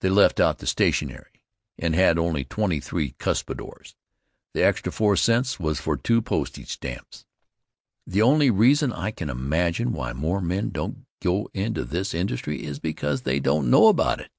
They left out the stationery, and had only twenty three cuspidors. The extra four cents was for two postage stamps. The only reason I can imagine why more men don't go into this industry is because they don't know about it.